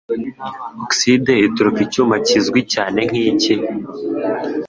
Oxide Itukura Icyuma kizwi cyane nkiki?